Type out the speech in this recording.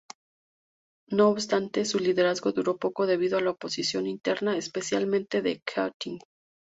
No obstante su liderazgo duró poco debido a la oposición interna, especialmente de Keating.